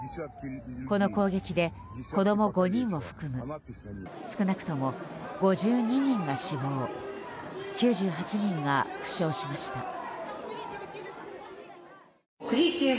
この攻撃で子供５人を含む少なくとも５２人が死亡９８人が負傷しました。